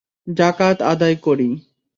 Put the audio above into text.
যাকাত আদায় করি।